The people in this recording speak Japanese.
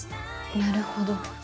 なるほど。